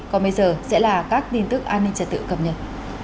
còn bây giờ sẽ là các tin tức an ninh trật tự cập nhật